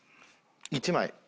１枚。